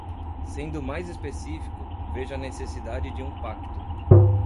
Sendo mais específico, vejo a necessidade de um pacto